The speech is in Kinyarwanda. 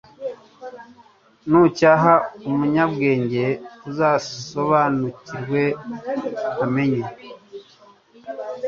nucyaha umunyabwenge azasobanukirwa amenye